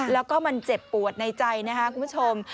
แล้วก็มันเจ็บปวดในใจนะครับคุณผู้ชม